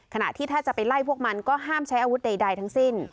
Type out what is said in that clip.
ขณะที่ถ้าจะไปไล่พวกมันก็ห้ามใช้อาวุธใดทั้งสิ้น